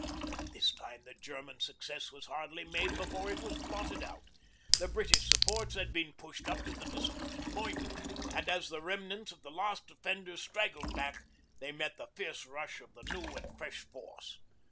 But this time the German success was hardly made before it was blotted out. The British supports had been pushed up to the disputed point, and as the remnants of the last defenders straggled back they met the fierce rush of the new and fresh force.